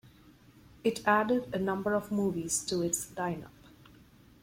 It added a number of movies to its lineup.